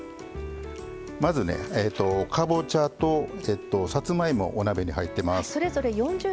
まずねかぼちゃとさつまいもお鍋に入ってます。